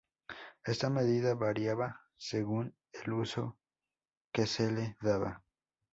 Esta medida variaba según el uso que se le daba.